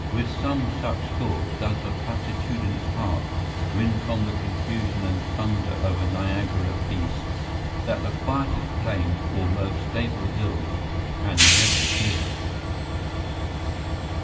With some such thoughts does the platitudinous heart win from the confusion and thunder of a Niagara peace that the quietest plains or most stable hills can never give.